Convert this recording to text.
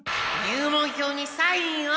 入門票にサインを！